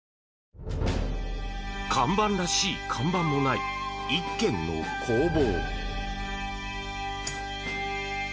看板らしい看板もない１軒の工房。